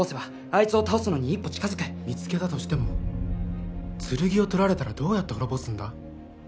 あいつを倒すのに一歩近づく見つけたとしても剣を取られたらどうやって滅ぼすんだ？